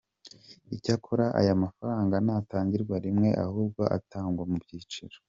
Icyakora aya mafaranga ntatangirwa rimwe ahubwo atangwa mu byiciro.